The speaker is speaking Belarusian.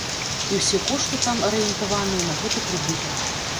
І ўсе кошты там арыентаваныя на гэты прыбытак.